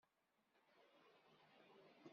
D aɣanim yetthuzzu waḍu?